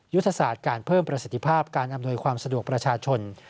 ยุทธศาสตร์การเพิ่มประสิทธิภาพการอำนวยความสะดวกประชาชน